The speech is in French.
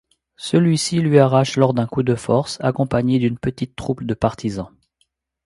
Celui-ci lui arrache lors d'un coup de force, accompagné d'une petite troupe de partisans.